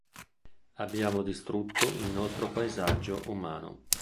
Abbiamo distrutto il nostro paesaggio umano”.